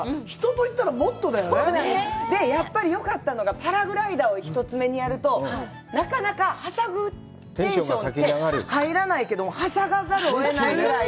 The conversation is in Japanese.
やっぱり、よかったのが、パラグライダーを１つ目にやると、なかなかはしゃぐテンションって入らないけども、はしゃがざるを得ないぐらい。